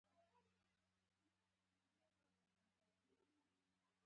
دی غواړي چې خدای ورسره مرسته وکړي.